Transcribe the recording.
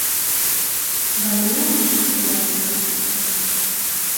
- Ғәлимә ишекте лә япмай сығып китте.